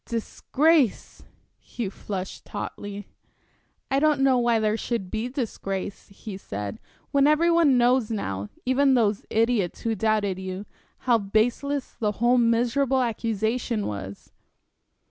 "Disgrace!" He flushed hotly. "I don't know why there should be disgrace," he said, "when every one knows now even those idiots who doubted you how baseless the whole miserable accusation was."